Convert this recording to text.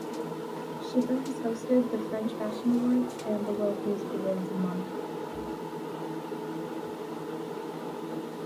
Schiffer has hosted the French Fashion Awards and the World Music Awards in Monaco.